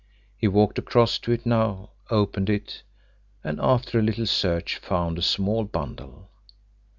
He walked across to it now, opened it, and, after a little search, found a small bundle.